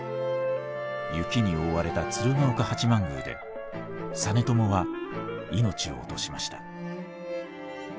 雪に覆われた鶴岡八幡宮で実朝は命を落としました。